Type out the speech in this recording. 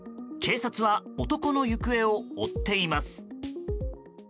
警察は男の行方を追っています。